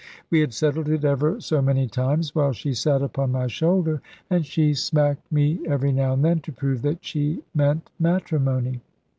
We had settled it ever so many times, while she sate upon my shoulder; and she smacked me every now and then, to prove that she meant matrimony.